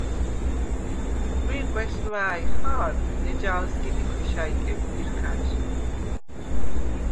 ყვიყვ ჲესვა̄̈̈ჲ ხა̄რ, ეჯა ალ სგიმი ქვიშა იკედ ძირხა̈ნჟი̄ნ.